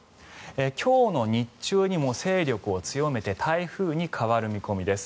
今日の日中にも勢力を強めて台風に変わる見込みです。